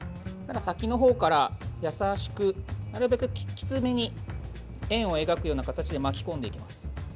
先のほうから優しくなるべくきつめに円を描くような形で巻き込んでいきます。